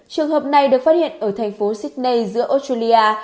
trường hợp này được phát hiện ở thành phố sydney giữa australia